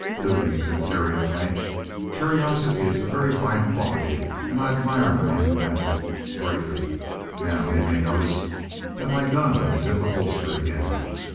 "Dugan," said Terry at length, "curiosity is a very fine quality, and I admire a man who has it. Greatly. Now, you may notice that my gun is in the holster again.